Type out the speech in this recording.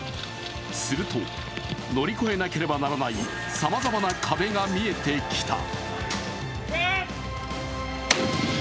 すると、乗り越えなければならないさまざまな壁が見えてきた。